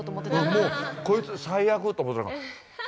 もうこいつ最悪と思ってたのが。